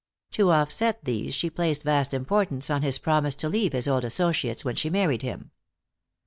To offset these she placed vast importance on his promise to leave his old associates when she married him.